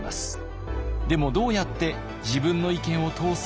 でもどうやって自分の意見を通す？